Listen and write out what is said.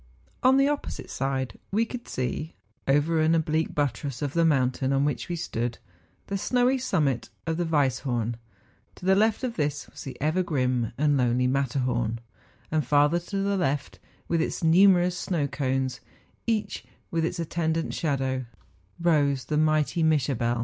On the oppo¬ site side we could see, over an oblique buttress of the mountain on which we stood, the snowy summit of the Weisshorn ; to the left of this was the ever grim and lonely Matterhorn; and farther to the left, with its numerous snow cones, each with its at¬ tendant sliadow, rose the mighty ]\Iischabel.